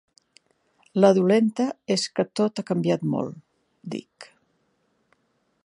La dolenta és que tot ha canviat molt —dic.